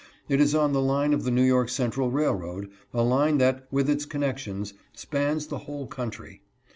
It is on the line of the New York Central railroad — a line that, with its connections, spans the whole country.